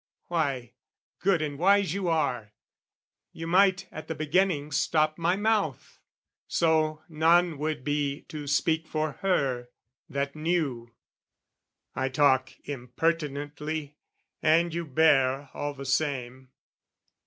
Why, good and wise you are! You might at the beginning stop my mouth: So, none would be to speak for her, that knew. I talk impertinently, and you bear, All the same.